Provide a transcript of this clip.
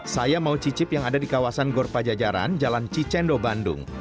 saya mau cicip yang ada di kawasan gor pajajaran jalan cicendo bandung